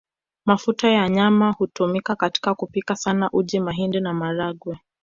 Mafuta ya nyama hutumika katika kupika sana uji mahindi na maharagwe